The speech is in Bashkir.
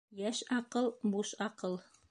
Йәш аҡыл буш аҡыл.